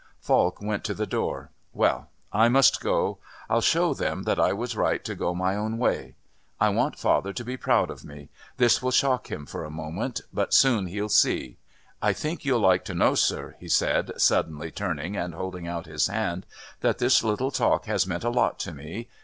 Falk went to the door: "Well, I must go. I'll show them that I was right to go my own way. I want father to be proud of me. This will shock him for a moment, but soon he'll see. I think you'll like to know, sir," he said, suddenly turning and holding out his hand, "that this little talk has meant a lot to me.